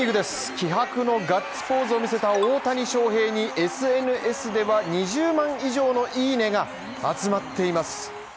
気迫のガッツポーズを見せた大谷翔平にＳＮＳでは２０万以上のいいねが集まっています。